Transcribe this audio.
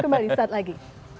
kembali sesat lagi